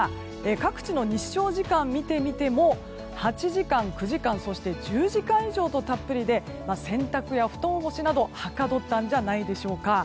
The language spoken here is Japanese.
各地の日照時間を見てみても８時間、９時間そして１０時間以上とたっぷりで洗濯や布団干しなどはかどったんじゃないでしょうか。